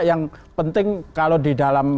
yang penting kalau di dalam